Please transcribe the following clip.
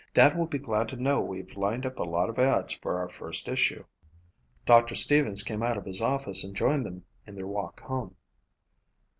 "Dad will be glad to know we've lined up a lot of ads for our first issue." Doctor Stevens came out of his office and joined them in their walk home.